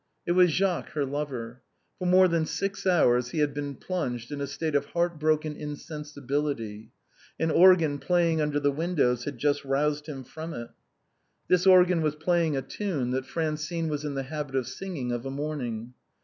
It was Jacques, her lover. For more than six hours he had been plunged into a state of heart broken insensibility. An organ playing under the windows had just roused him from it. 234 THE BOHEMIANS OF THE LATIN QUARTER. This organ was playing a tune that Francine was in the habit of singing of a morning.